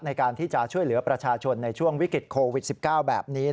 ในการที่จะช่วยเหลือประชาชนในช่วงวิกฤตโควิด๑๙แบบนี้